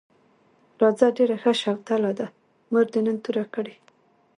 راځه ډېره ښه شوتله ده، مور دې نن توره کړې.